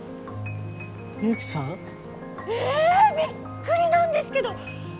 ミユキさん？えびっくりなんですけど。